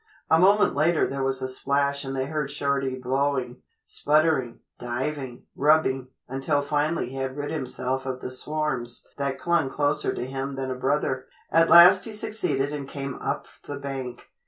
A moment later there was a splash and they heard Shorty blowing, spluttering, diving, rubbing, until finally he had rid himself of the swarms that clung closer to him than a brother. At last he succeeded and came up the bank.